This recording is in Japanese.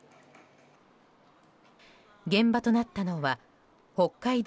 現場となったのは北海道